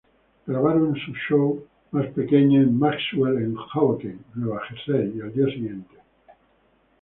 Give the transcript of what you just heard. Grabaron su show más pequeño en Maxwell en Hoboken, Nueva Jersey el día siguiente.